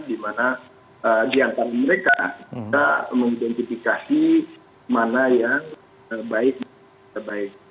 di mana diantar mereka untuk mengidentifikasi mana yang baik